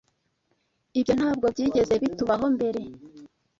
Ibyo ntabwo byigeze bitubaho mbere.